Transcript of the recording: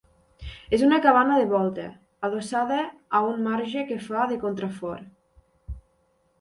És una cabana de volta adossada a un marge que fa de contrafort.